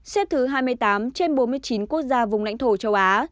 xếp thứ hai mươi tám trên bốn mươi chín quốc gia vùng lãnh thổ châu á